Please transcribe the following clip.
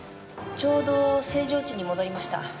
ちょうど正常値に戻りました。